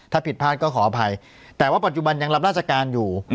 ถ้าผิดพลาดก็ขออภัยแต่ว่าปัจจุบันยังรับราชการอยู่